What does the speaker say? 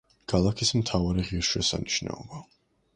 ქალაქის მთავარი ღირსშესანიშნაობა.